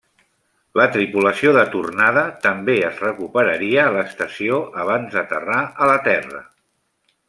La tripulació de tornada també es recuperaria a l'estació abans d'aterrar a la Terra.